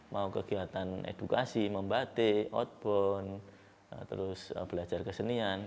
mau kegiatan edukasi membatik outbound terus belajar kesenian